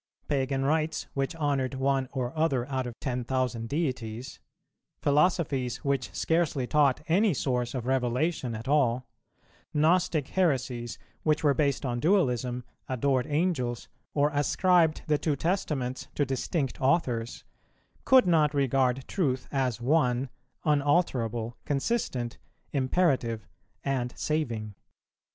Pagan rites which honoured one or other out of ten thousand deities; philosophies which scarcely taught any source of revelation at all; Gnostic heresies which were based on Dualism, adored angels, or ascribed the two Testaments to distinct authors, could not regard truth as one, unalterable, consistent, imperative, and saving.